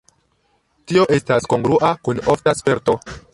Tio estas kongrua kun ofta sperto.